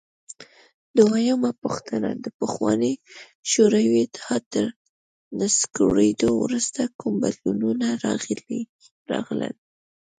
دویمه پوښتنه: د پخواني شوروي اتحاد تر نسکورېدو وروسته کوم بدلونونه راغلل؟